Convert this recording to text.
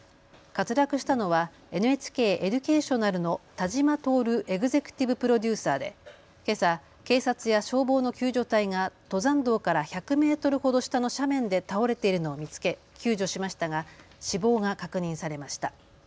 滑落したのはＮＨＫエデュケーショナルの田島徹エグゼクティブ・プロデューサーでけさ警察や消防の救助隊が登山道から１００メートルほど下の斜面で倒れているのを見つけ救助しましたが死亡が確認されました。